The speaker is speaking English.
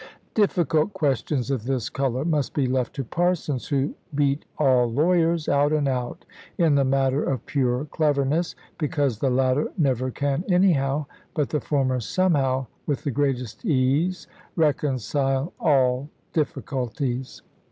Difficult questions of this colour must be left to parsons (who beat all lawyers, out and out, in the matter of pure cleverness; because the latter never can anyhow, but the former, somehow, with the greatest ease, reconcile all difficulties).